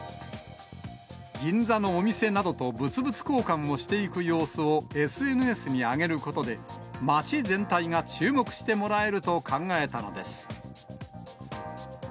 銀座のお店などと物々交換をしていく様子をＳＮＳに挙げることで、街全体が注目してもらえると考えたのです。